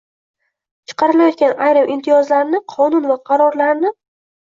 chiqarilayotgan ayrim imtiyozlarini, qonun va qarorlarini